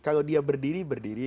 kalau dia berdiri berdiri